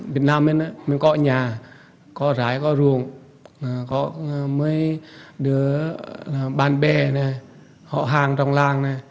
việt nam mình có nhà có rái có ruộng có mấy đứa bạn bè này họ hàng trong làng này